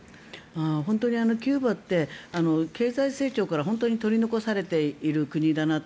本当にキューバって経済成長から本当に取り残されている国だなと。